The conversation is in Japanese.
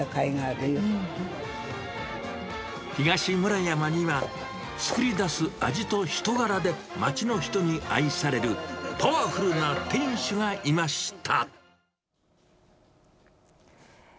東村山には、作り出す味と人柄で町の人に愛されるパワフルな店主がいました。